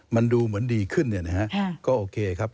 มันดูเหมือนดีขึ้นก็โอเคครับ